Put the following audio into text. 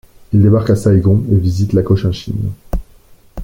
Il débarque à Saïgon et visite la Cochinchine.